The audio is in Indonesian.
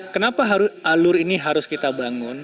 kenapa alur ini harus kita bangun